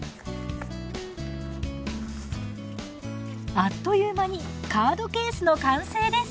あっという間にカードケースの完成です！